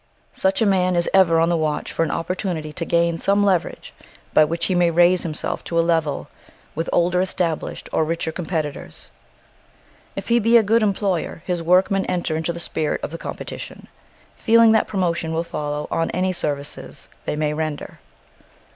Such a man is ever on the watch for an opportunity to gain some leverage by which he may raise himself to a level with older established or richer competitors. If he be a good employer his workmen enter into the spirit of the competition, feeling that promotion will follow on any services they may render.